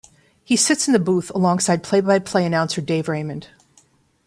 He sits in the booth alongside play-by-play announcer Dave Raymond.